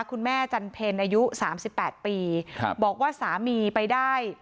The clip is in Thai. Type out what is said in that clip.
คุณแม่จันเพลย์อายุ๓๘ปีบอกว่าสามีไปได้